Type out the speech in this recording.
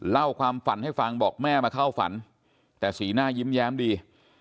เล่าความฝันให้ฟังบอกแม่มาเข้าฝันแต่สีหน้ายิ้มแย้มดี